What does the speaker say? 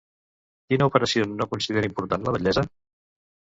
Quina operació no considera important la batllessa?